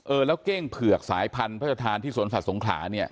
เออแล้วเก้งเผือกสายพันธทานที่สวนสัตว์สงขลาเนี่ย